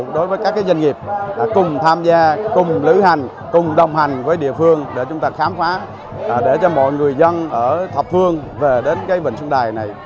đối với các doanh nghiệp cùng tham gia cùng lưu hành cùng đồng hành với địa phương để chúng ta khám phá